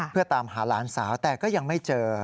เพื่อตามหาหลานสาวแต่ก็ยังไม่เจอ